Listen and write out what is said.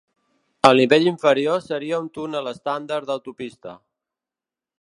El nivell inferior seria un túnel estàndard d'autopista.